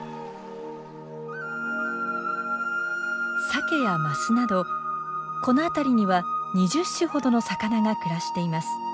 サケやマスなどこのあたりには２０種ほどの魚が暮らしています。